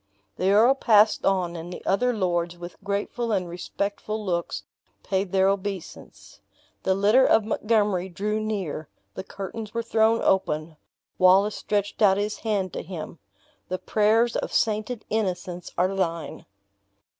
The earl passed on, and the other lords, with grateful and respectful looks, paid their obeisance. The litter of Montgomery drew near the curtains were thrown open Wallace stretched out his hand to him: "The prayers of sainted innocence are thine!"